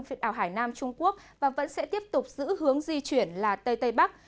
phía đảo hải nam trung quốc và vẫn sẽ tiếp tục giữ hướng di chuyển là tây tây bắc